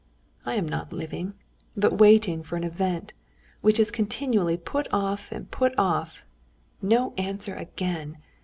I am not living, but waiting for an event, which is continually put off and put off. No answer again!